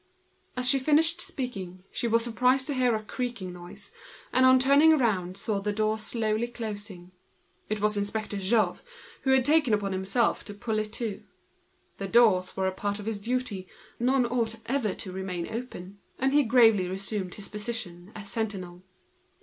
As she finished speaking, she was surprised by hearing a creaking noise, and on turning round saw the door slowly closing. It was Jouve, the inspector, who had taken upon himself to pull it to. The doors were a part of his duty, none should ever remain open. And he gravely resumed his position as sentinel.